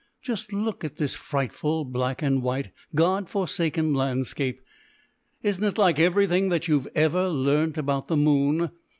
Just look at this frightful black and white, god forsaken landscape! Isn't it like everything that you've ever learnt about the moon?